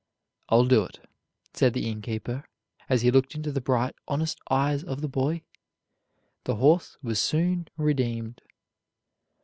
"I'll do it," said the innkeeper, as he looked into the bright honest eyes of the boy. The horse was soon redeemed.